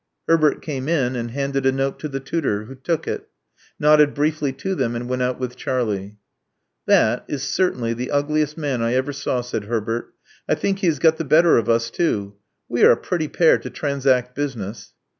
Herbert came in, and handed a note to the tutor, who took it; nodded briefly to them; and went out with Charlie. '*That is certainly the ugliest man I ever saw," said Herbert. '*I think he has got the better of us, too. We are a pretty pair to transact business."